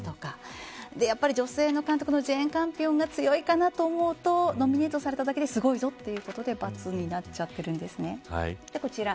女性の監督のジェーン・カンピオンが強いかなと思うとノミネートされただけですごいということでバツになっちゃってるんです。